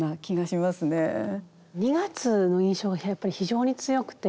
２月の印象がやっぱり非常に強くて。